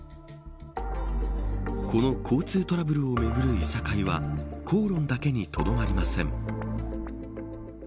この交通トラブルをめぐるいさかいは口論だけにとどまりません。